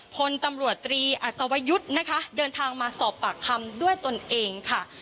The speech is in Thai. พลตำรวจตรีอัศวยุทธ์นะคะเดินทางมาสอบปากคำด้วยตนเองค่ะ